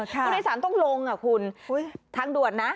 ผู้โดยสารต้องลงคุณทางด่วนนะ